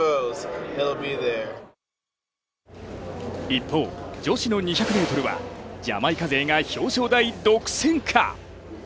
一方、女子の２００ｍはジャマイカ勢が表彰台独占か！？